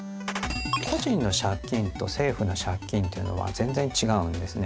個人の借金と政府の借金というのは全然違うんですね。